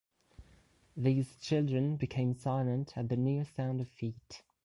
These children became silent at the near sound of feet.